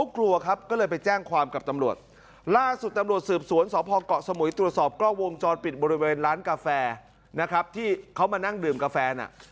กล้อวงจอดปิดบริเวณร้านกาแฟที่เขามานั่งดื่มกาแฟ